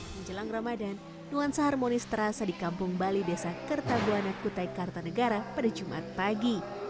menjelang ramadan nuansa harmonis terasa di kampung bali desa kertabuana kutai kartanegara pada jumat pagi